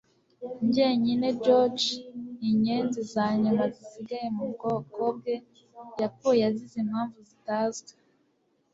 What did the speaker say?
Jyenyine George inyenzi zanyuma zisigaye mubwoko bwe yapfuye azize impamvu zitazwi